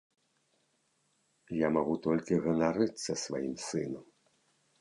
Я магу толькі ганарыцца сваім сынам.